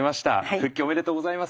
復帰おめでとうございます。